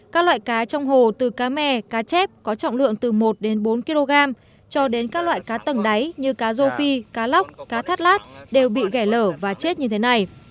các loại cá trong hồ từ cá mè cá chép có trọng lượng từ một đến bốn kg cho đến các loại cá tầng đáy như cá rô phi cá lóc cá thắt lát đều bị ghé lở và chết như thế này